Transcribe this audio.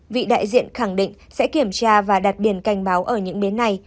vị đại diện khẳng định sẽ kiểm tra và đặt biển cảnh báo ở những bến này